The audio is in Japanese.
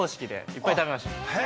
いっぱい食べました。